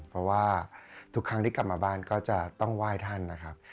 เพราะว่าทุกครั้งที่กลับมาบ้านก็จะต้องไหว้ท่านนะครับ